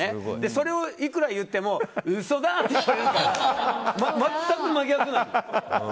それをいくら言っても嘘だ！って言われるから全く真逆なの。